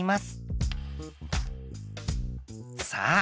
さあ